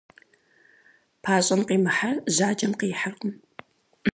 Пащӏэм къимыхьыр жьакӏэм къихьыркъым.